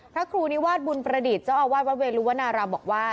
พระครูนิวาสบุญประดิษฐ์เจ้าอาวาสวัดเวลุวนารามบอกว่า